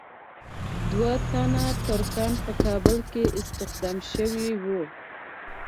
دوه تنه ترکان په کابل کې استخدام شوي وو.